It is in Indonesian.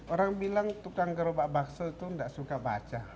orang bilang tukang gerobak bakso itu tidak suka baca